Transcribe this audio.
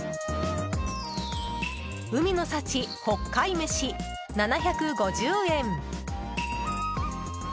海の幸北海飯、７５０円。